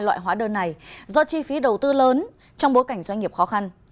loại hóa đơn này do chi phí đầu tư lớn trong bối cảnh doanh nghiệp khó khăn